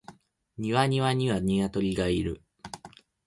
庭には二羽鶏がいる